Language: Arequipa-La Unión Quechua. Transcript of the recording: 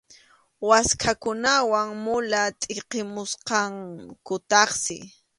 Waskhakunawan mula tʼiqimusqankutaqsi.